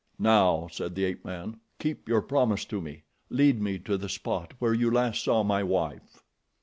"Now," said the ape man, "keep your promise to me. Lead me to the spot where you last saw my wife."